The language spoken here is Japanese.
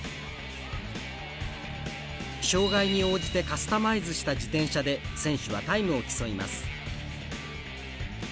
障がいに応じてカスタマイズした自転車で選手はタイムを競います。